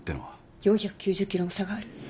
４９０ｋｇも差がある。